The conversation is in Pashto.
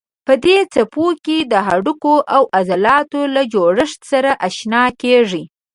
په دې څپرکي کې د هډوکو او عضلاتو له جوړښت سره آشنا کېږئ.